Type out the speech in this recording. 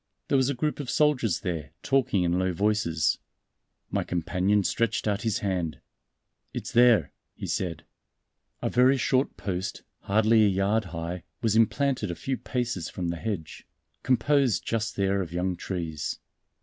There was a group of soldiers there, talking in low voices. My companion stretched out his hand. "It's there," he said. A very short post, hardly a yard high, was implanted a few paces from the hedge, composed just there of young trees.